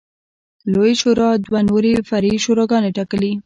لویې شورا دوه نورې فرعي شوراګانې ټاکلې